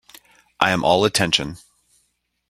I am all attention.